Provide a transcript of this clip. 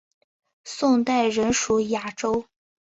宋代仍属雅州。